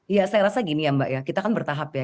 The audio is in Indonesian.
ya saya rasa gini ya mbak ya kita kan bertahap ya